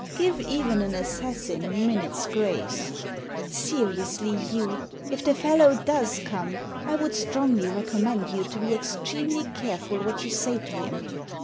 Give even an assassin a minute's grace." " Seriously, Hugh, if the fellow does come, I would strongly recommend you to be extremely careful what you say to him.